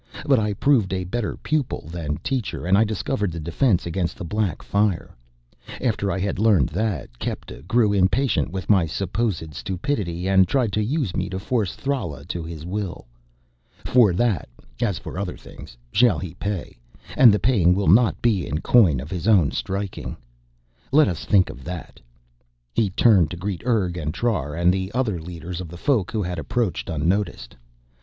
But I proved a better pupil than teacher and I discovered the defense against the Black Fire. After I had learned that, Kepta grew impatient with my supposed stupidity and tried to use me to force Thrala to his will. For that, as for other things, shall he pay and the paying will not be in coin of his own striking. Let us think of that...." He turned to greet Urg and Trar and the other leaders of the Folk, who had approached unnoticed.